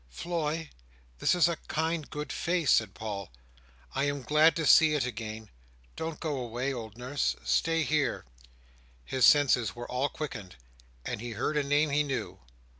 "Floy! this is a kind good face!" said Paul. "I am glad to see it again. Don't go away, old nurse! Stay here." His senses were all quickened, and he heard a name he knew.